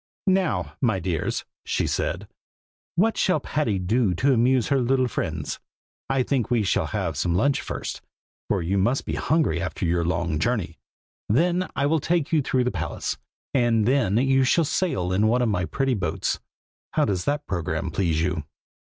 "Now, my dears," she said, "what shall Patty do to amuse her little friends? I think we will have some lunch first, for you must be hungry after your long journey. Then I will take you through the palace, and then you shall sail in one of my pretty boats. How does that programme please you?"